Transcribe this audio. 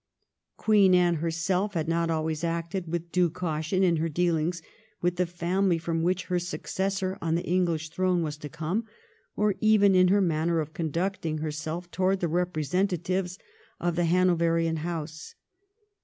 Queen Anne herself had not always acted with due caution in her dealings with the family from which her successor on the English throne was to come, or even in her manner of conducting herself towards the representatives of the Hanoverian House.